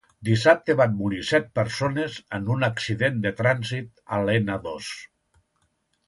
Dissabte van morir set persones en un accident de trànsit a l'N-II.